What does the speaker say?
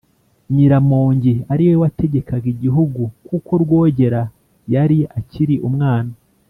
Nyiramongi ari we wategekaga Igihugu kuko Rwogera yari akiri umwana.